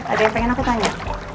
ada yang pengen aku tanya